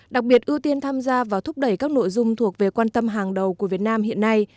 đặc biệt ưu tiên tham gia vào thúc đẩy các nội dung thuộc về quan tâm hàng đầu của việt nam hiện nay